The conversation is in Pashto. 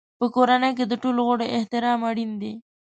په کورنۍ کې د ټولو غړو احترام اړین دی.